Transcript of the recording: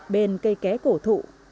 bên cây ké cổ thụ